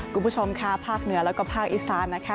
คุณผู้ชมค่ะภาคเหนือแล้วก็ภาคอีสานนะคะ